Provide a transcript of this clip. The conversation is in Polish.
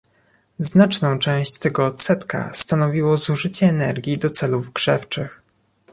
Znaczną część tego odsetka stanowiło zużycie energii do celów grzewczych